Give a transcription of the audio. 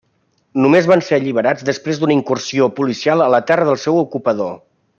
Només van ser alliberats després d'una incursió policial a la terra del seu ocupador.